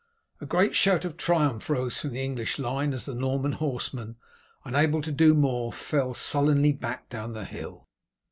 A great shout of triumph rose from the English line as the Norman horsemen, unable to do more, fell sullenly back down the hill.